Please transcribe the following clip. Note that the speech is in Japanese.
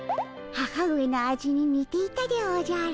母上の味ににていたでおじゃる。